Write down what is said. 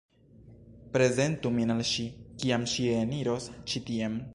Prezentu min al ŝi, kiam ŝi eniros ĉi tien!